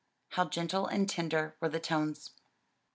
How gentle and tender were the tones.